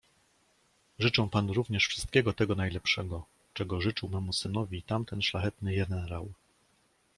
"Życzę panu również wszystkiego tego najlepszego, czego życzył memu synowi tamten szlachetny jenerał..."